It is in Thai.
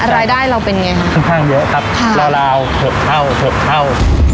รายได้เราเป็นไงอ่ะคุณครับเหมือนแบบเยอะครับราวราวถดเข้าถดเข้า